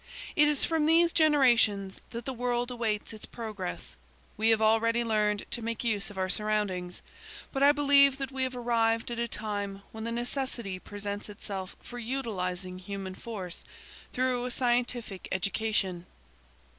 It is from these generations that the world awaits its progress. We have already learned to make use of our surroundings, but I believe that we have arrived at a time when the necessity presents itself for utilising human force, through a scientific education.